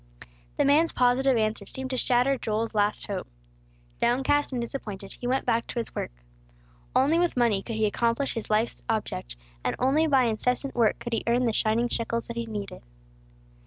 The man's positive answer seemed to shatter Joel's last hope. Downcast and disappointed, he went back to his work. Only with money could he accomplish his life's object, and only by incessant work could he earn the shining shekels that he needed.